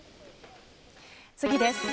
次です。